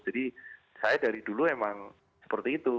jadi saya dari dulu memang seperti itu